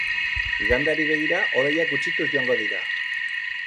Igandeari begira, hodeiak gutxituz joango dira.